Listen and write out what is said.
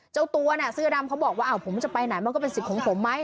เจ้าตัวน่ะเสื้อดำเขาบอกว่าผมจะไปไหนมันก็เป็นสิทธิ์ของผมไหม